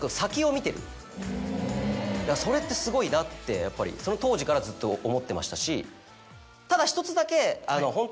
だからそれってすごいなってやっぱりその当時からずっと思ってましたし。